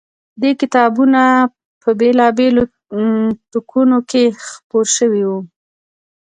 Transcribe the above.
دې کتابونه په بېلا بېلو ټوکونوکې خپور شوی و.